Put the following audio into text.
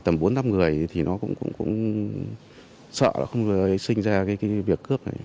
tầm bốn năm người thì nó cũng sợ là không rời sinh ra cái việc cướp này